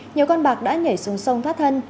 nhiều con bạc đã nhảy xuống sông thoát thân